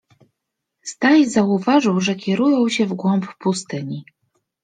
Staś zauważył, że kierują się w głąb pustyni.